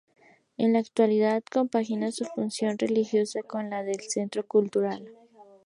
En la actualidad compagina su función religiosa con la de centro cultural.